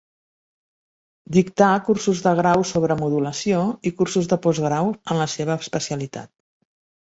Dictà cursos de grau sobre modulació i cursos de postgrau en la seva especialitat.